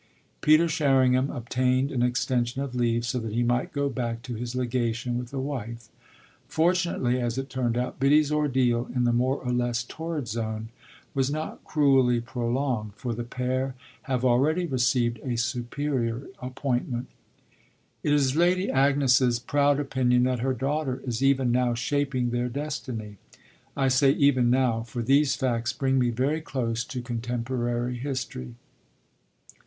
Peter Sherringham obtained an extension of leave, so that he might go back to his legation with a wife. Fortunately, as it turned out, Biddy's ordeal, in the more or less torrid zone, was not cruelly prolonged, for the pair have already received a superior appointment. It is Lady Agnes's proud opinion that her daughter is even now shaping their destiny. I say "even now," for these facts bring me very close to contemporary history.